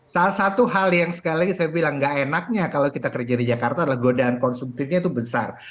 salah satu hal yang sekali lagi saya bilang gak enaknya kalau kita kerja di jakarta adalah godaan konsumtifnya itu besar